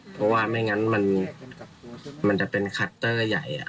เพราะว่าไม่งั้นมันจะเป็นคัตเตอร์ใหญ่